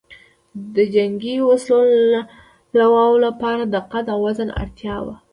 د جنګي وسلو لواو لپاره د قد او وزن اړتیاوې